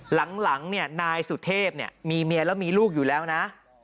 หลังนายสุเทพเมียมีเมียแล้วมีลูกอยู่แล้วนะ